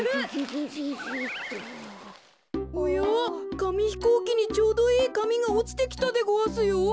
かみひこうきにちょうどいいかみがおちてきたでごわすよ。